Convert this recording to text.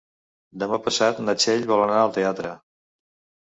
Demà passat na Txell vol anar al teatre.